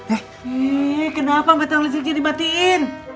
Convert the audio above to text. ih kenapa meteran listriknya dibatiin